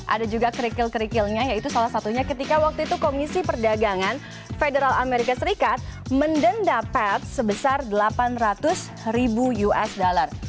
ada juga kerikil kerikilnya yaitu salah satunya ketika waktu itu komisi perdagangan federal amerika serikat mendenda pet sebesar delapan ratus ribu usd